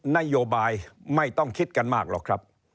นโยบายไม่ต้องคิดกันมากหรอกครับ